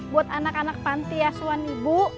buat anak anak panti asuhan ibu